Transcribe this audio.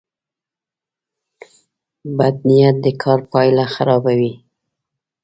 بد نیت د کار پایله خرابوي.